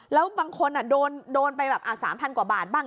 แล้วบางคนโดนไปแบบ๓๐๐กว่าบาทบ้าง